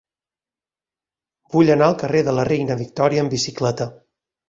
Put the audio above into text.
Vull anar al carrer de la Reina Victòria amb bicicleta.